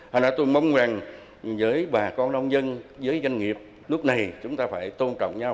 thành ra tôi mong rằng với bà con nông dân với doanh nghiệp lúc này chúng ta phải tôn trọng nhau